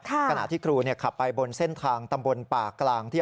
ขณะที่ครูขับไปบนเส้นทางตำบลป่ากลางที่